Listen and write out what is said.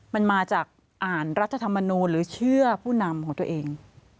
มันมาจากอ่านรัฐธรรมนูลหรือเชื่อผู้นำของตัวเอง